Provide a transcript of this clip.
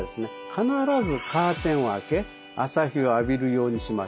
必ずカーテンを開け朝日を浴びるようにしましょう。